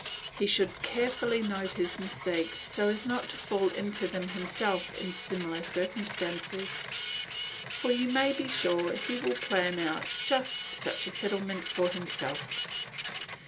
He should carefully note his mistakes, so as not to fall into them himself in similar circumstances, for you may be sure he will plan out just such a settlement for himself.